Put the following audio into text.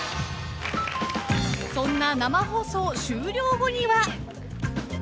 ［そんな生放送終了後には］